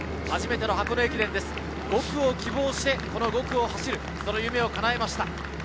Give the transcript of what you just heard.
初めての箱根駅伝、５区を希望して５区を走る、その夢を叶えました。